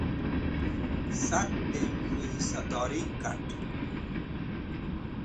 Sak dẽm k̃hũ hisadori kat̃ẽn.